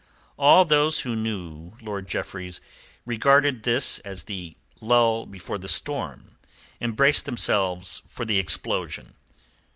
All those who knew Lord Jeffreys regarded this as the lull before the storm, and braced themselves for the explosion.